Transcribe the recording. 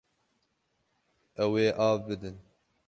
Ew ê av bidin.